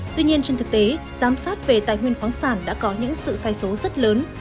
tuy nhiên trên thực tế giám sát về tài nguyên khoáng sản đã có những sự sai số rất lớn